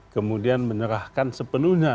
kemudian menyerahkan sepenuhnya